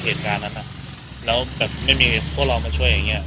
เหตุการณ์นั้นแล้วแบบไม่มีพวกเรามาช่วยอย่างเงี้